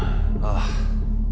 ああ。